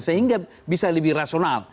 sehingga bisa lebih rasional